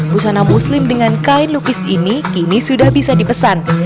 busana muslim dengan kain lukis ini kini sudah bisa dipesan